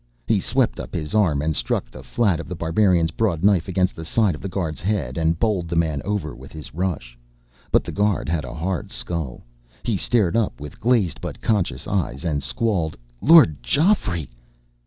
He swept up his arm and struck the flat of The Barbarian's broad knife against the side of the guard's head, and bowled the man over with his rush. But the guard had a hard skull. He stared up with glazed but conscious eyes, and squalled: "Lord Geoffrey!"